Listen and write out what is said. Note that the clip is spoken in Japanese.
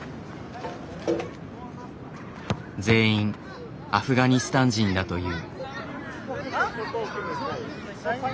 全員アフガニスタン人だという。